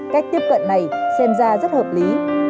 cách tiếp cận này xem ra rất hợp lý